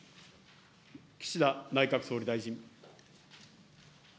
岸田内閣総理大臣。